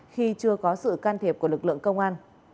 khi chưa có sự can thiệp của lực lượng công an